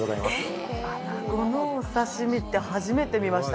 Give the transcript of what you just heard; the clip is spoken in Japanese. えっ、穴子のお刺身って初めて見ました。